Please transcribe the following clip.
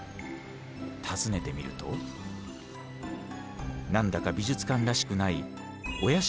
訪ねてみると何だか美術館らしくないお屋敷みたいな建物ですよ。